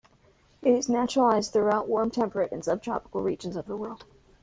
It is naturalized throughout warm temperate and subtropical regions of the world.